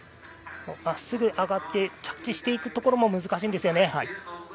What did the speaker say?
まっすぐ上がって着地していくところも難しいんですよね。